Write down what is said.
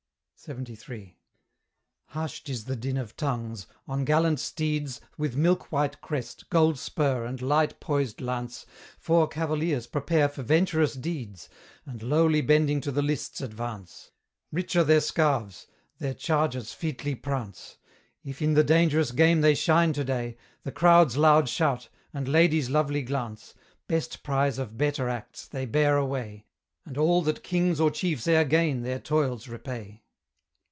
LXXIII. Hushed is the din of tongues on gallant steeds, With milk white crest, gold spur, and light poised lance, Four cavaliers prepare for venturous deeds, And lowly bending to the lists advance; Rich are their scarfs, their chargers featly prance: If in the dangerous game they shine to day, The crowd's loud shout, and ladies' lovely glance, Best prize of better acts, they bear away, And all that kings or chiefs e'er gain their toils repay.